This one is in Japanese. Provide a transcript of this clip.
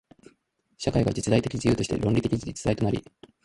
社会が実体的自由として倫理的実体となり、